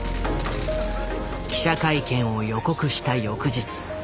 記者会見を予告した翌日。